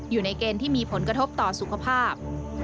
อยู่ในเกณฑ์ที่มีผลกระทบต่อสุขภาพ